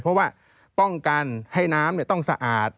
เพราะว่าป้องกันให้น้ำต้องสะอาด